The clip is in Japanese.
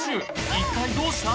一体どうした？